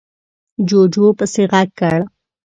جُوجُو پسې غږ کړ: